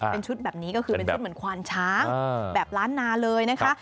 เป็นชุดแบบนี้ก็คือเป็นชุดเหมือนควานช้างแบบล้านนาเลยนะคะ